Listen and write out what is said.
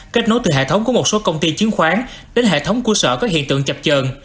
kết nối từ hệ thống của một số công ty chứng khoán đến hệ thống của sở có hiện tượng chập trờn